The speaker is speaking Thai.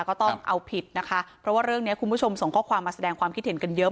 ก็ต้องเอาผิดนะคะเพราะว่าเรื่องนี้คุณผู้ชมส่งข้อความมาแสดงความคิดเห็นกันเยอะ